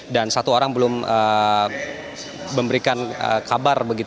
dan satu orang belum memberikan kabar